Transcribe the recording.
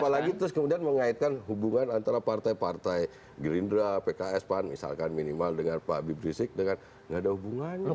apalagi terus kemudian mengaitkan hubungan antara partai partai gelindra pks misalkan minimal dengan pak biprisik nggak ada hubungannya